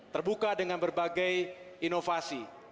terbuka dengan berbagai inovasi